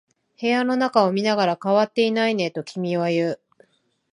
部屋の中を見ながら、変わっていないねと君は言う。